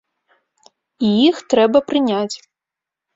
І іх трэба прыняць.